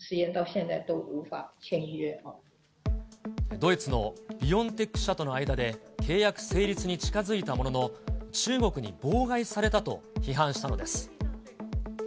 ドイツのビオンテック社との間で、契約成立に近づいたものの、中国に妨害されたと批判したのです。